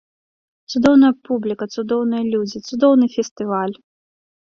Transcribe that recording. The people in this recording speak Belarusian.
Цудоўная публіка, цудоўныя людзі, цудоўны фестываль.